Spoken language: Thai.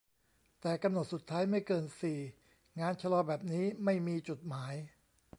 "แต่กำหนดสุดท้าย ไม่เกินซี งานชลอแบบนี้ไม่มีจุดหมาย"